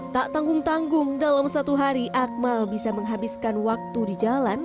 tak tanggung tanggung dalam satu hari akmal bisa menghabiskan waktu di jalan